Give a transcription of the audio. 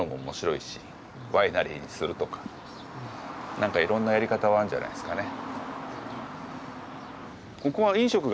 何かいろんなやり方はあんじゃないすかね。